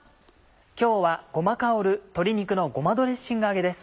今日はごま香る「鶏肉のごまドレッシング揚げ」です。